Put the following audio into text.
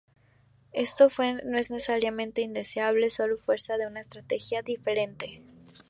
Esto no es necesariamente indeseable, solo fuerza una estrategia diferente.